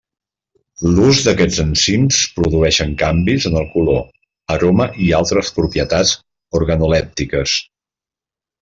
L'ús d'aquests enzims produeixen canvis en el color, aroma i altres propietats organolèptiques.